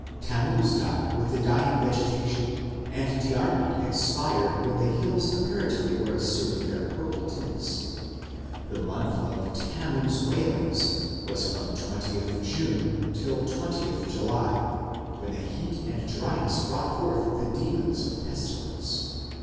Tammuz died with the dying vegetation, and Diarmid expired when the hills apparently were assuming their purple tints. The month of Tammuz wailings was from 20th June till 20th July, when the heat and dryness brought forth the demons of pestilence.